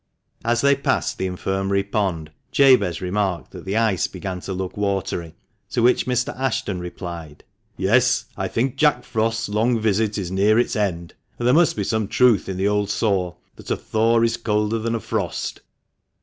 As they passed the Infirmary pond, Jabez remarked that the ice began to look watery, to which Mr. Ashton replied, " Yes ; I think Jack Frost's long visit is near its end, and there must be some truth in the old saw that 'a thaw is colder than a frost.'"